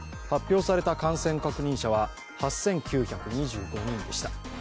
発表された感染確認者は８９２５人でした。